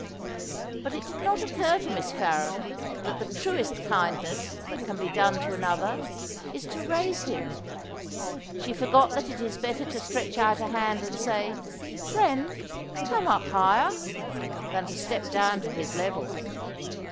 But it did not occur to Miss Farren that the truest kindness that can be done to another is to raise him. She forgot that it is better to stretch out a hand and say, "Friend, come up higher," than to step down to his level.